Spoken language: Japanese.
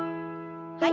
はい。